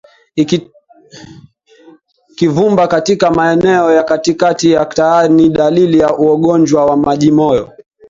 Kuvimba katika maeneo ya katikati ya taya ni dalili ya ugonjwa wa majimoyo